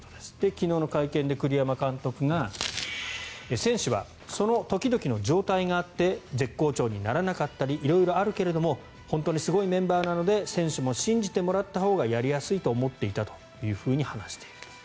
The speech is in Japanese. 昨日の会見で栗山監督が選手は、その時々の状態があって絶好調にならなかったり色々あるけれども本当にすごいメンバーなので選手も信じてもらったほうがやりやすいと思っていたと話していると。